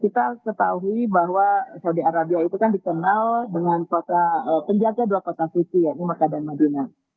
bahwa saudi arabia itu kan dikenal dengan kota penjaga dua kota sisi ya ini mekah dan madinah